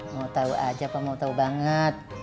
mau tau aja pak mau tau banget